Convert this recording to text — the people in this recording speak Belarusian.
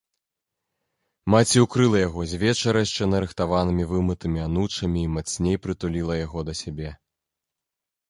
Маці ўкрыла яго звечара яшчэ нарыхтаванымі вымытымі анучамі і мацней прытуліла яго да сябе.